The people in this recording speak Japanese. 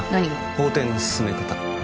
法廷の進め方